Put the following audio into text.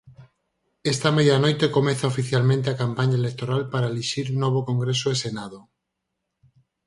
Esta medianoite comeza oficialmente a campaña electoral para elixir novo Congreso e Senado.